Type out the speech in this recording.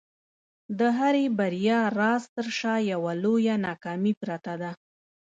د هري بریا راز تر شا یوه لویه ناکامي پرته ده.